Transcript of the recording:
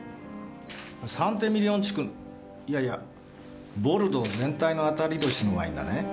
サンテミリオン地区のいやいやボルドー全体の当たり年のワインだね。